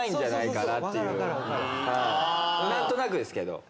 何となくですけど。